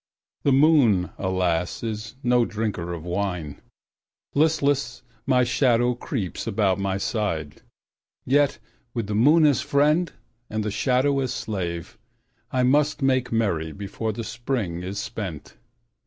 The moon, alas, is no drinker of wine; Listless, my shadow creeps about at my side. Yet with the moon as friend and the shadow as slave I must make merry before the Spring is spent.